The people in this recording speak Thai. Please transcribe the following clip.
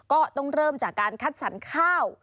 ก็ต้องเริ่มจากการคัดสรรข้าว